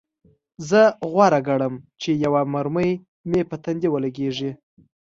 زه غوره ګڼم چې یوه مرمۍ مې په ټنډه ولګیږي